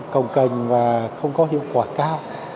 cầu cành và không có hiệu quả cao